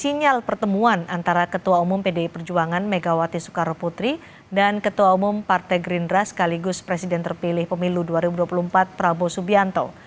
sinyal pertemuan antara ketua umum pdi perjuangan megawati soekarno putri dan ketua umum partai gerindra sekaligus presiden terpilih pemilu dua ribu dua puluh empat prabowo subianto